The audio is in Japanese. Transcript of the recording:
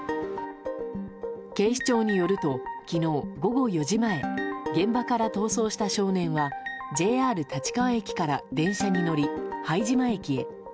警視庁によると昨日午後４時前現場から逃走した少年はＪＲ立川駅から電車に乗り拝島駅へ。